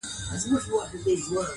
چي غمی یې وړﺉ نه را معلومېږي,